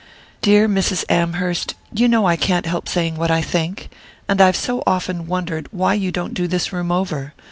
"Dear Mrs. Amherst you know I can't help saying what I think and I've so often wondered why you don't do this room over.